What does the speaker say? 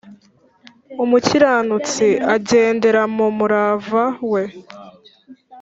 umukiranutsi agendera mu murava we